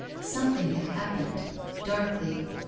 Something had happened! Darkly.